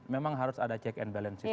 memang harus ada check and balances